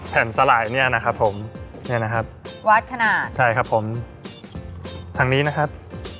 สลายเนี่ยนะครับผมเนี่ยนะครับวัดขนาดใช่ครับผมทางนี้นะครับ